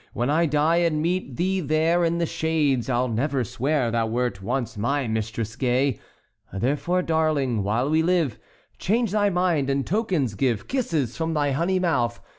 When I die and meet thee there In the shades I'll never swear Thou wert once my mistress gay! "Therefore, darling, while we live, Change thy mind and tokens give— Kisses from thy honey mouth!